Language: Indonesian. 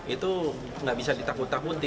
itu nggak bisa ditakut takuti